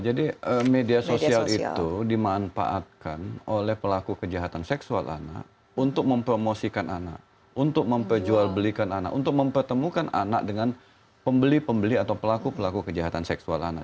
jadi media sosial itu dimanfaatkan oleh pelaku kejahatan seksual anak untuk mempromosikan anak untuk memperjualbelikan anak untuk mempertemukan anak dengan pembeli pembeli atau pelaku pelaku kejahatan seksual anak